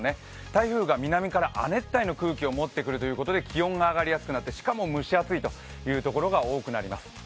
台風が南から亜熱帯の空気を持ってくるということで気温が上がりやすくなってしかも蒸し暑い所が多くなります。